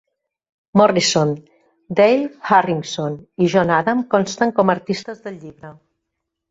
Morrison, Dale Hendrickson i John Adam consten com a artistes del llibre.